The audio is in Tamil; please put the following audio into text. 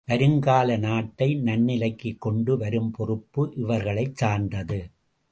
வருங்கால நாட்டை நன்னிலைக்குக் கொண்டு வரும் பொறுப்பு இவர்களைச் சார்ந்தது.